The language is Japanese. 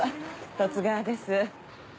十津川です。